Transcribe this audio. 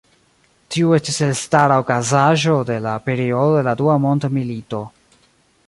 Tiu estis elstara okazaĵo de la periodo de la Dua Mondmilito.